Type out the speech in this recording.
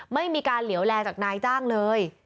ไม่มีการเหลวแลจากนายจ้างเลย